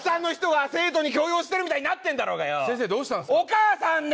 お母さんね！